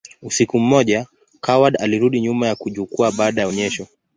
Usiku mmoja, Coward alirudi nyuma ya jukwaa baada ya onyesho.